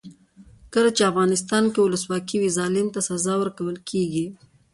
کله چې افغانستان کې ولسواکي وي ظالم ته سزا ورکول کیږي.